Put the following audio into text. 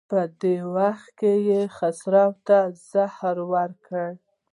په دې وخت کې یې خسرو ته زهر ورکړل.